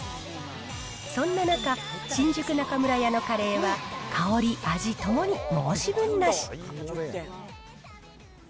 そんな中、新宿中村屋のカレーは、香り、味ともに申し分なし。